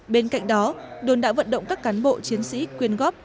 bên cạnh đó đồn đã vận động các cán bộ chiến sĩ quyên góp